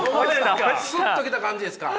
スッと来た感じですか？